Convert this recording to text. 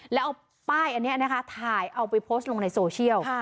แล้วเอาป้ายอันนี้นะคะถ่ายเอาไปโพสต์ลงในโซเชียล